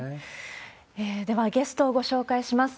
では、ゲストをご紹介します。